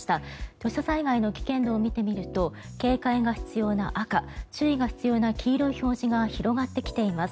土砂災害の危険度を見てみると警戒が必要な赤注意が必要な黄色の表示が広がってきています。